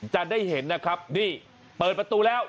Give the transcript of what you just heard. จะได้เห็นนะครับนี่เปิดประตูแล้ว